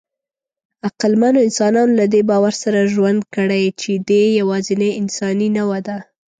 عقلمنو انسانانو له دې باور سره ژوند کړی، چې دی یواځینۍ انساني نوعه ده.